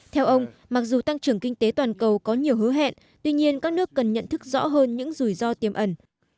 theo ông mặc dù tăng trưởng kinh tế toàn cầu có nhiều hứa hẹn tuy nhiên các nước cần nhận thức rõ hơn những rủi ro tiềm ẩn